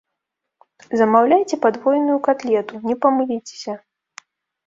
Замаўляйце падвойную катлету, не памыліцеся.